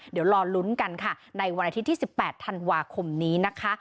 เดี๋ยวรอลุ้นกันค่ะในวันอาทิตย์ที่๑๘ธันวาคมนี้นะคะ